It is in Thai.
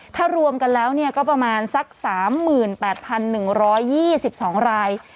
ถ้ารวมกันแล้วเนี่ยก็ประมาณสักสามหมื่นแปดพันหนึ่งร้อยยี่สิบสองราย